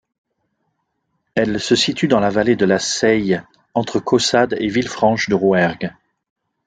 Elle se situe dans la vallée de la Seye, entre Caussade et Villefranche-de-Rouergue.